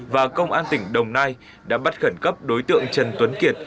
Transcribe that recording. và công an tỉnh đồng nai đã bắt khẩn cấp đối tượng trần tuấn kiệt